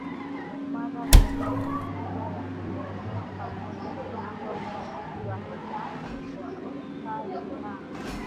mara vya magonjwa ya kieneo pamoja na kuibua ushahidi wa kina wa uzukaji na